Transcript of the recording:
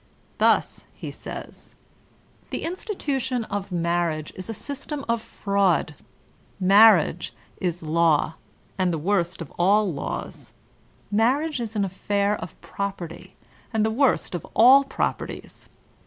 Thus he says: ''The institution of marriage is a system of fraud ... Marriage is law and the worst of all laws. ... Marriage is an affair of property and the worst of all properties.